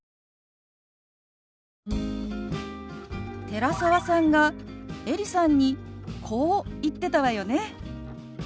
寺澤さんがエリさんにこう言ってたわよね。